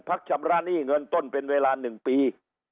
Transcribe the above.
ชำระหนี้เงินต้นเป็นเวลา๑ปี